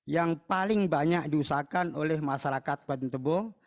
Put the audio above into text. yang paling banyak diusahakan oleh masyarakat kabupaten tebo